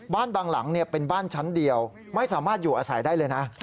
บางหลังเป็นบ้านชั้นเดียวไม่สามารถอยู่อาศัยได้เลยนะ